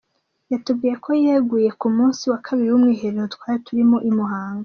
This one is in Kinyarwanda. Yatubwiye ko yeguye ku munsi wa kabiri w’umwiherero twari turimo i Muhanga.